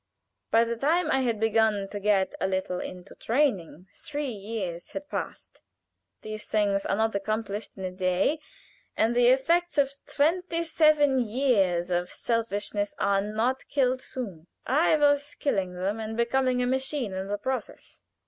By the time I had begun to get a little into training three years had passed these things are not accomplished in a day, and the effects of twenty seven years of selfishness are not killed soon. I was killing them, and becoming a machine in the process.